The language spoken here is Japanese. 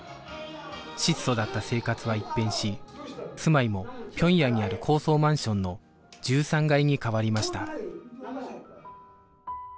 質素だった生活は一変し住まいも平壌にある高層マンションの１３階に変わりました